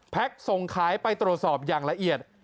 ส่งขายไปตรวจสอบอย่างละเอียด